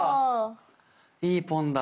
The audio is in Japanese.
いいポンだ！